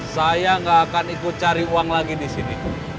saya nggak akan ikut cari uang lagi di sini